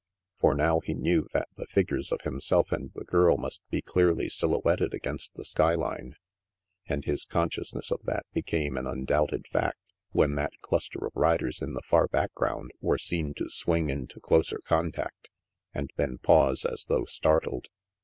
For now he knew that the figures of himself and the girl must be clearly sil houetted against the skyline; and his consciousness of that became an undoubted fact when that cluster of riders in the far background were seen to swing into closer contact and then pause as though startled.